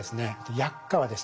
薬価はですね